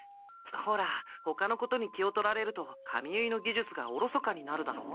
ほらほかのことに気を取られると髪結いのぎじゅつがおろそかになるだろ？